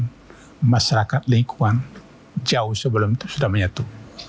karena masyarakat lingkungan jauh sebelum itu sudah menyatu